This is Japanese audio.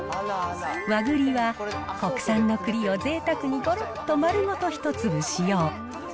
ワグリは国産のくりをぜいたくにごろっと丸ごと１粒使用。